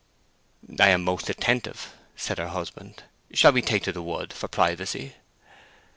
"I am most attentive," said her husband. "Shall we take to the wood for privacy?"